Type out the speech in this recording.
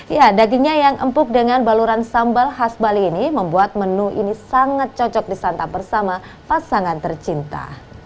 ya dagingnya yang empuk dengan baluran sambal khas bali ini membuat menu ini sangat cocok disantap bersama pasangan tercinta